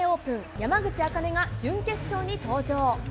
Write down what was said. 山口茜が準決勝に登場。